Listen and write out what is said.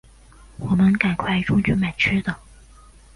我们赶快冲去买吃的